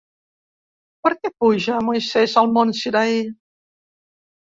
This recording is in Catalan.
Per què puja Moisès al mont Sinaí?